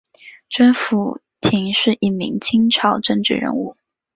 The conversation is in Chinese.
甄辅廷是一名清朝政治人物。